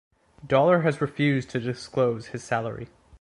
Dollar has refused to disclose his salary.